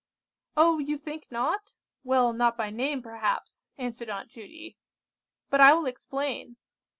"Oh, you think not? Well, not by name, perhaps," answered Aunt Judy. "But I will explain.